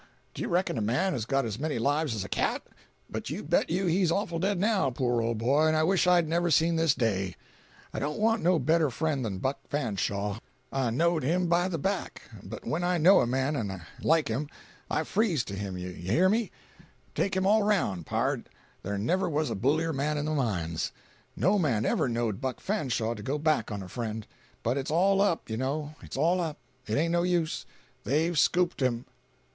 Do you reckon a man has got as many lives as a cat? But you bet you he's awful dead now, poor old boy, and I wish I'd never seen this day. I don't want no better friend than Buck Fanshaw. I knowed him by the back; and when I know a man and like him, I freeze to him—you hear me. Take him all round, pard, there never was a bullier man in the mines. No man ever knowed Buck Fanshaw to go back on a friend. But it's all up, you know, it's all up. It ain't no use. They've scooped him."